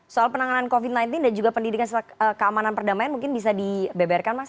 soal penanganan covid sembilan belas dan juga pendidikan keamanan perdamaian mungkin bisa dibeberkan mas